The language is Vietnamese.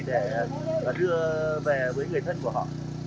để đưa về với người thân của họ